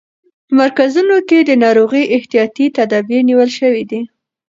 په مرکزونو کې د ناروغۍ احتیاطي تدابیر نیول شوي دي.